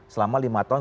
selama lima tahun